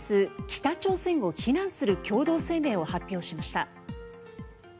北朝鮮を非難する共同声明を発表しました。